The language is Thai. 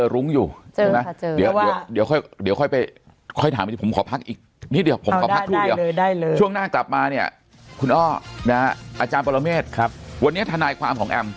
รุ้งกับยายไม่เคยมีข้อคิดแข่งใจกัน